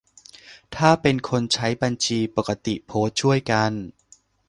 ถ้าเป็นคนใช้บัญชีปกติโพสต์ช่วยกัน